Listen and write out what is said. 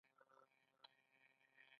دوی د بې وزلۍ کچه ډېره ټیټه کړه.